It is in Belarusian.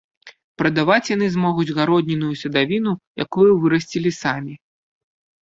Прадаваць яны змогуць гародніну і садавіну, якую вырасцілі самі.